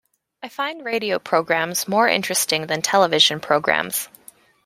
I find radio programmes more interesting than television programmes